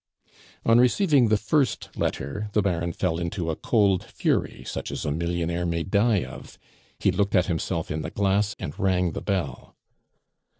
On receiving the first letter, the Baron fell into a cold fury such as a millionaire may die of; he looked at himself in the glass and rang the bell.